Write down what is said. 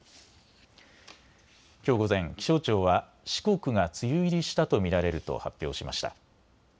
きょう午前、気象庁は四国が梅雨入りしたと見られると発表しました。